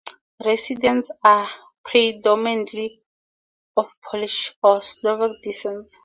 Residents are predominantly of Polish or Slovak descent.